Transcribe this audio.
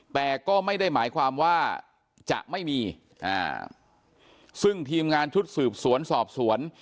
แต่ก็ไม่ได้หมายความว่าจะไม่มีอ่าซึ่งทีมงานชุดสืบสวนสอบสวน